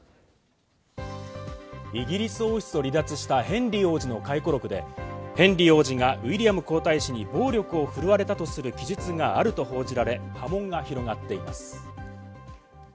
イギリス王室を離脱したヘンリー王子の回顧録で、ヘンリー王子がウィリアム皇太子に暴力を振るわれたとする記述があると報じられ、波紋が広がっています。